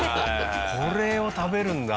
これを食べるんだ。